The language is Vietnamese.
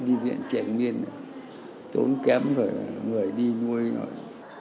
đi viện trẻ nghiên tốn kém rồi người đi nuôi rồi